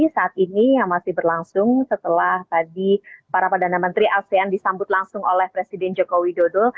saat ini yang masih berlangsung setelah tadi para perdana menteri asean disambut langsung oleh presiden joko widodo